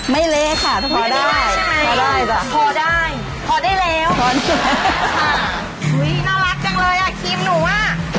ไม่เล่ค่ะพอได้พอได้จ้ะพอได้พอได้แล้วค่ะอุ้ยน่ารักจังเลยอ่ะครีมหนูอ่ะ